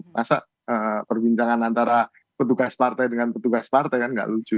masa perbincangan antara petugas partai dengan petugas partai kan nggak lucu